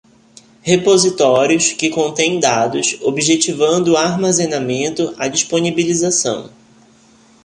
repositórios, que contêm dados, objetivando o armazenamento, a disponibilização